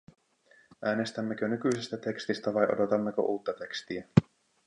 Äänestämmekö nykyisestä tekstistä vai odotammeko uutta tekstiä?